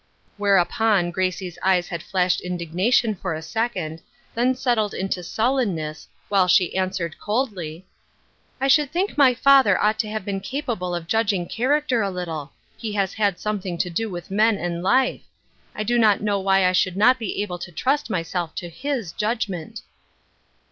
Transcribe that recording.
Whereupon Grade's eyes had flashed indigna tion for a second, then settled into sullenness, while she answered, coldly :" I should think my father ought to have been capable of judging character a little ; he has had something to do with men and life. I do not know why I should not be able to trust myself to Mb judgment."